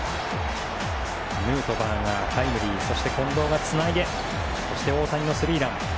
ヌートバーがタイムリー近藤がつないでそして大谷のスリーラン。